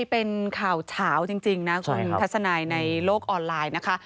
เป็นข่าวเฉาจริงนะคุณทัศนายในโลกออนไลน์นะคะ